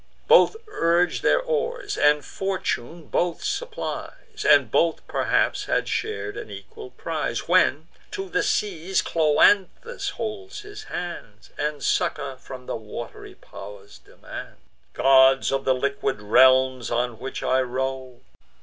Both urge their oars, and fortune both supplies, And both perhaps had shar'd an equal prize; When to the seas Cloanthus holds his hands, And succour from the wat'ry pow'rs demands: "Gods of the liquid realms, on which I row!